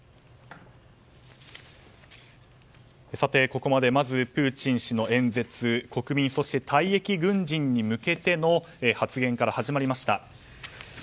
ここまでまずプーチン氏の演説国民、そして退役軍人に向けての発言から始まりました。